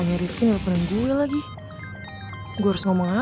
nge blim banget kayak judul orang heran gua